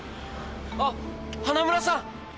あっ花村さん。